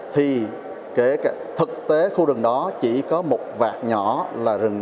thì thực tế khu rừng đó chỉ có một vạt nhỏ là rừng